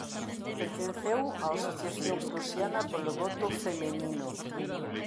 Pertenceu á "Asociación Prusiana polo voto feminino".